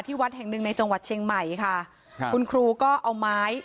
วัดแห่งหนึ่งในจังหวัดเชียงใหม่ค่ะครับคุณครูก็เอาไม้